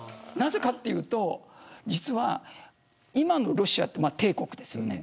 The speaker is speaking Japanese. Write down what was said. なぜかというと今のロシアは帝国です。